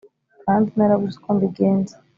kandi narabuze uko mbigenza